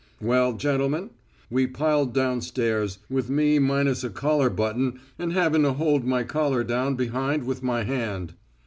"Well, gentlemen, we piled down stairs with me minus a collar button and havin' to hold my collar down behind with my hand.